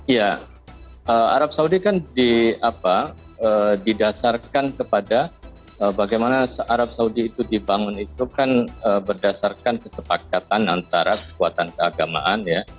ya arab saudi kan didasarkan kepada bagaimana arab saudi itu dibangun itu kan berdasarkan kesepakatan antara kekuatan keagamaan ya